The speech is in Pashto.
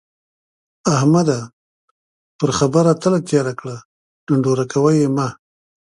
احمده! پر خبره تله تېره کړه ـ ډنډوره کوه يې مه.